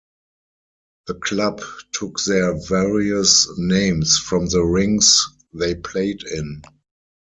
The club took their various names from the rinks they played in.